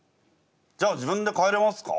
じゃあ自分で帰れますか？